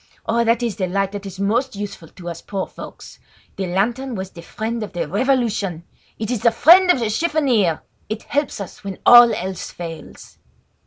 Oh! That is the light that is most useful to us poor folks. The lantern was the friend of the revolution! It is the friend of the chiffonier! It helps us when all else fails."